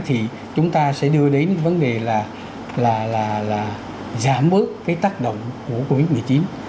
thì chúng ta sẽ đưa đến vấn đề là giảm bớt cái tác động của covid một mươi chín